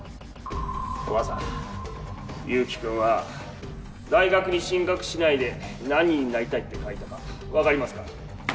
お母さん勇気君は大学に進学しないで何になりたいって書いたか分かりますか？